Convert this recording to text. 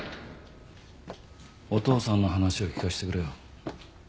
お父さんの話を聞かせてくれよ。